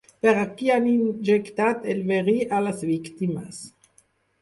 Per aquí han injectat el verí a les víctimes.